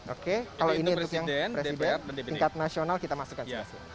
oke kalau ini untuk yang presiden tingkat nasional kita masukkan